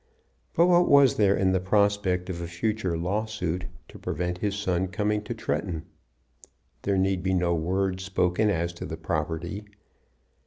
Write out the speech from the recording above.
But what was there in the prospect of a future lawsuit to prevent his son coming to Tretton? There need be no word spoken as to the property.